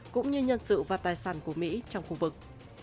cũng như nhân sự và tài sản của mỹ trong khu vực